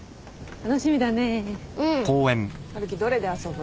春樹どれで遊ぶ？